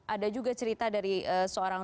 ada juga cerita dari seorang